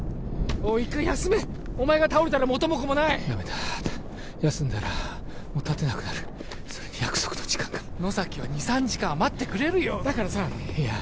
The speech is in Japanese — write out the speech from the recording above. おい一回休めお前が倒れたら元も子もないダメだ休んだらもう立てなくなるそれに約束の時間が野崎は２３時間は待ってくれるよだからさいや